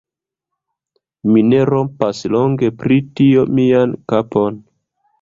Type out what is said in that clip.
Mi ne rompas longe pri tio mian kapon.